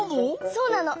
そうなの！